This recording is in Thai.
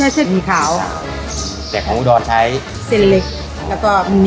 แล้วก็เหนียวดีด้วยอร่อยด้วยแล้วที่ไหนก็ได้เหมือนที่นี่